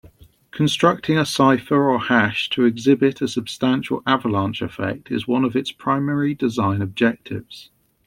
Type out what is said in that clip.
Constructing a cipher or hash to exhibit a substantial avalanche effect is one of its primary design objectives.